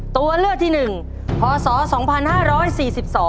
ตัวเลือดชอบในปีใด